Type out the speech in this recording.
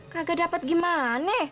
kagak dapet gimane